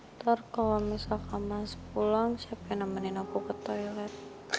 ntar kalo misal kamu pulang siapa yang nemenin aku ke toilet